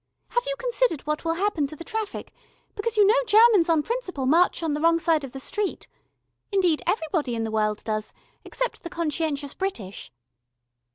Have you considered what will happen to the traffic, because you know Germans on principle march on the wrong side of the street indeed everybody in the world does, except the conscientious British.